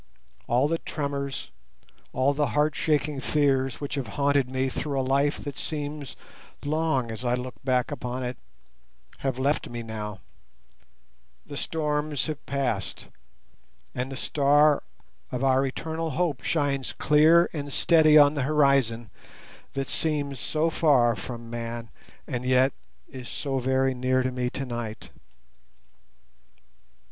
All the tremors, all the heart shaking fears which have haunted me through a life that seems long as I look back upon it, have left me now; the storms have passed, and the Star of our Eternal Hope shines clear and steady on the horizon that seems so far from man, and yet is so very near to me tonight.